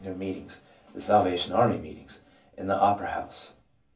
333 their meetings [the Salvation Army meetings] in the Opera House.